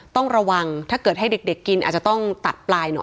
ต้องระวังถ้าเกิดให้เด็กกินอาจจะต้องตัดปลายหน่อย